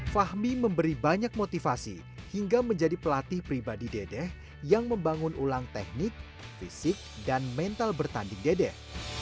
fahmi memberi banyak motivasi hingga menjadi pelatih pribadi dedeh yang membangun ulang teknik fisik dan mental bertanding dedeh